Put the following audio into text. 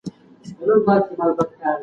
ښوونکي ماشومانو ته ښه اخلاق ور زده کړل.